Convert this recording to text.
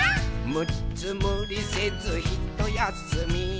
「むっつむりせずひとやすみ」